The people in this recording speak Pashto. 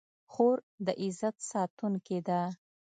خور د عزت ساتونکې ده.